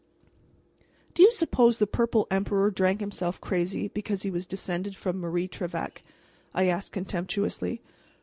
"Do you suppose the Purple Emperor drank himself crazy because he was descended from Marie Trevec?" I asked contemptuously.